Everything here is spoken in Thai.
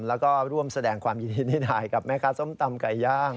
แล้วก็ร่วมแสดงความยินดีให้นายกับแม่ค้าส้มตำไก่ย่าง